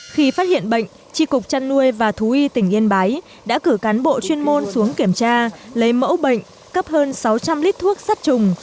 khi phát hiện bệnh tri cục chăn nuôi và thú y tỉnh yên bái đã cử cán bộ chuyên môn xuống kiểm tra lấy mẫu bệnh cấp hơn sáu trăm linh lít thuốc sát trùng